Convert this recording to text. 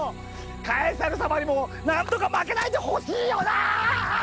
カエサル様にもなんとか負けないでほしいよな！